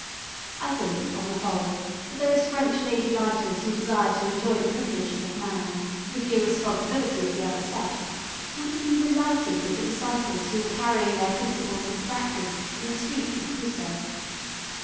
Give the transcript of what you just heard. I think, on the whole, that those French lady writers who desire to enjoy the privileges of man, with the irresponsibility of the other sex, would have been delighted with the disciples who were carrying their principles into practice in the streets of Cruces.